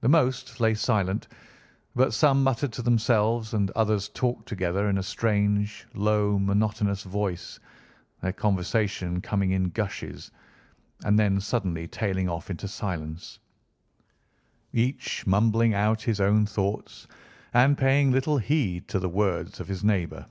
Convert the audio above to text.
The most lay silent, but some muttered to themselves, and others talked together in a strange, low, monotonous voice, their conversation coming in gushes, and then suddenly tailing off into silence, each mumbling out his own thoughts and paying little heed to the words of his neighbour.